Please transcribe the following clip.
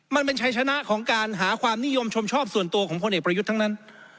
มันเป็นชัยชนะของการหาความนิยมชมชอบส่วนตัวของพลเอกประยุทธ์ทั้งนั้น